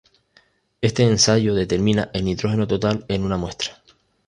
Este ensayo determina el nitrógeno total en una muestra.